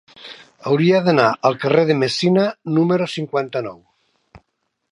Hauria d'anar al carrer de Messina número cinquanta-nou.